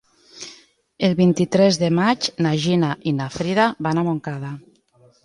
El vint-i-tres de maig na Gina i na Frida van a Montcada.